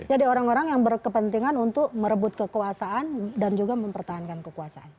jadi orang orang yang berkepentingan untuk merebut kekuasaan dan juga mempertahankan kekuasaan